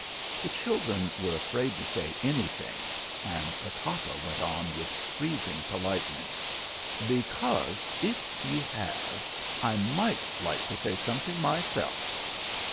The children were afraid to say anything, and the papa went on with freezing politeness: "Because if you have, I might like to say something myself.